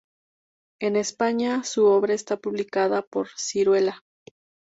En España, su obra está publicada por Siruela.